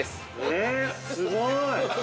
◆えっ、すごい！◆